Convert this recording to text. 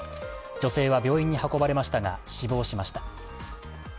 女性は病院に運ばれましたが死亡しました。